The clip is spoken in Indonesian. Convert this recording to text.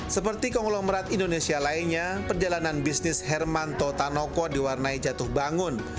seperti konglomerat indonesia lainnya perjalanan bisnis herman totanoko diwarnai jatuh bangun